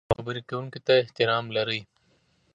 او خبرې کوونکي ته احترام لرئ.